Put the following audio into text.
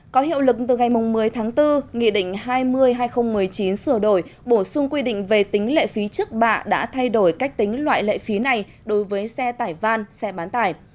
có hiệu lực từ ngày một mươi tháng bốn nghị định hai mươi hai nghìn một mươi chín sửa đổi bổ sung quy định về tính lệ phí trước bạ đã thay đổi cách tính loại lệ phí này đối với xe tải van xe bán tải